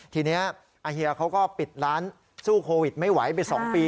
ทีนี้อาเฮียเขาก็ปิดร้านสู้โควิดไม่ไหวไป๒ปี